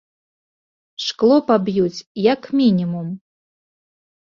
Шкло паб'юць, як мінімум.